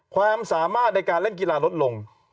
ความสามารถในการเล่นกีฬาลดลง